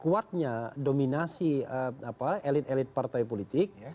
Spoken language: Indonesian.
kuatnya dominasi elit elit partai politik